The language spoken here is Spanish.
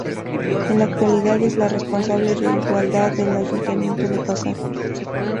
En la actualidad, es la responsable de Igualdad del ayuntamiento de Pasajes.